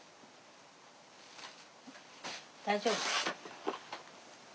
大丈夫。